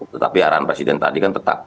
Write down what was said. tetapi arahan presiden tadi kan tetap